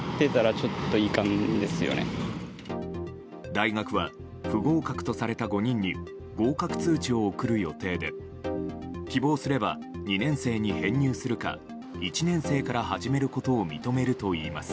大学は不合格とされた５人に合格通知を送る予定で希望すれば、２年生に編入するか１年生から始めることを認めるといいます。